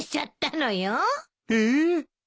えっ？